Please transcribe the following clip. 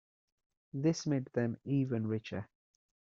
This made them even richer.